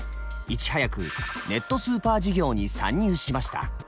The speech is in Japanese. いち早くネットスーパー事業に参入しました。